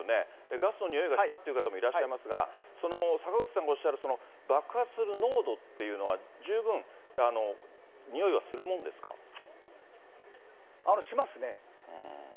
ガスの臭いがしたっていう方もいらっしゃいますが、坂口さんがおっしゃる爆発する濃度っていうのは、しますね。